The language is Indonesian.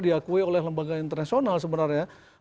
diakui oleh lembaga internasional sebenarnya